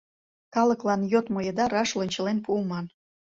Калыклан йодмо еда раш лончылен пуыман.